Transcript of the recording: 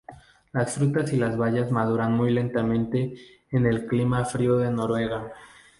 Las frutas y las bayas maduran muy lentamente en el clima frío de Noruega.